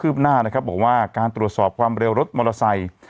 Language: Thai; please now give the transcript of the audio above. หน้านะครับบอกว่าการตรวจสอบความเร็วรถมอเตอร์ไซค์